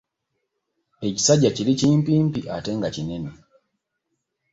Ekisajja kiri kimpimpi ate nga kinene.